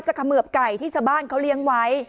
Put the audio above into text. จะขเมิบไก่ที่ชะบ้านเขาเลี้ยงไว้